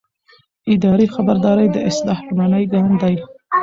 اداري خبرداری د اصلاح لومړنی ګام دی.